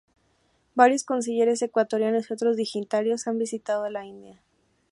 Varios cancilleres ecuatorianos y otros dignatarios han visitado la India.